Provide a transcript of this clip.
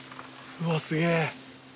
・うわすげえ！